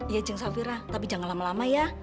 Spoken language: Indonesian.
iya jang safira tapi jangan lama lama ya